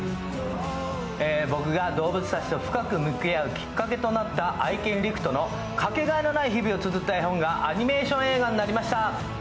僕が動物たちと深く向き合うきっかけとなった愛犬・リクとのかけがえのない日々をつづった絵本がアニメーション映画になりました。